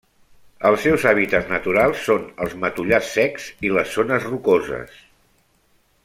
Els seus hàbitats naturals són els matollars secs i les zones rocoses.